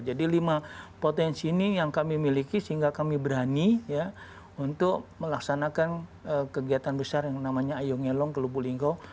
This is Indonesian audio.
jadi lima potensi ini yang kami miliki sehingga kami berani untuk melaksanakan kegiatan besar yang namanya ayongelong ke lubu linggau dua puluh dua ribu dua ratus dua puluh dua